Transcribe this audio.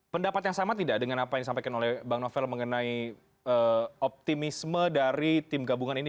pendapat yang sama tidak dengan apa yang disampaikan oleh bang novel mengenai optimisme dari tim gabungan ini